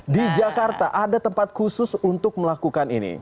di jakarta ada tempat khusus untuk melakukan ini